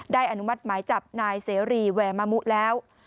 ได้อนุมัติหมายจับนายเสรีแหวมมุแล้ว